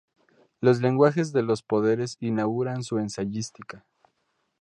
Los lenguajes de los poderes inauguran su ensayística.